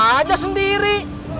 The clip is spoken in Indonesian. coba aja sendiri